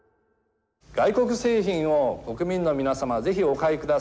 外国製品を国民の皆様ぜひお買いください。